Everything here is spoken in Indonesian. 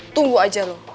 tunggu aja lo